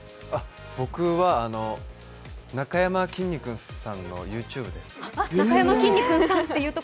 僕は、なかやまきんに君さんのＹｏｕＴｕｂｅですね。